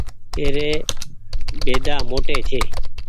اي ري بيدآ موٽي ڇي۔